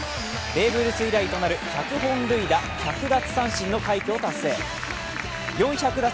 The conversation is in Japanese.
ベーブ・ルース以来となる１００本塁打・４００奪三振の快挙を達成。